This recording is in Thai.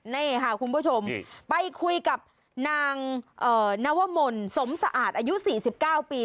นี่ค่ะคุณผู้ชมไปคุยกับนางนวมลสมสะอาดอายุ๔๙ปี